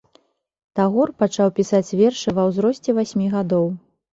Тагор пачаў пісаць вершы ва ўзросце васьмі гадоў.